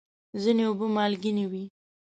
ځینې اوبه مالګینې وي.